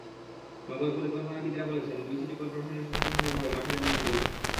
নগর পরিকল্পনাবিদেরা বলছেন, দুই সিটি করপোরেশনের সুশাসনের অভাবেই মাঠের এমন দুর্দশা।